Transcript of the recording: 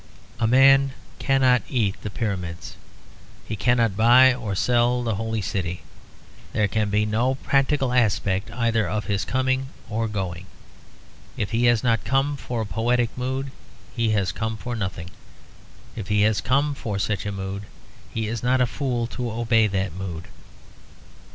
A man cannot eat the Pyramids; he cannot buy or sell the Holy City; there can be no practical aspect either of his coming or going. If he has not come for a poetic mood he has come for nothing; if he has come for such a mood, he is not a fool to obey that mood.